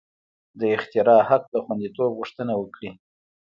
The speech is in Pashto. د اختراع حق د خوندیتوب غوښتنه وکړي.